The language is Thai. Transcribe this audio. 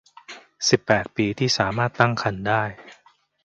สิบแปด ปีที่สามารถตั้งครรภ์ได้